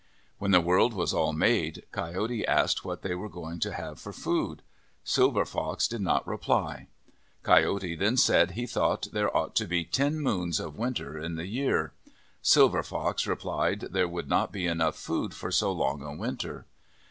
When the world was all made, Coyote asked what they were going to have for food. Silver Fox did not reply. Coyote then said he thought there ought to be ten moons of winter in the year. Silver Fox replied there would not be enough food for so long a winter.